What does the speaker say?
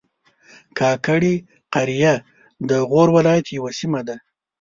کاکړي قریه د غور ولایت یوه سیمه ده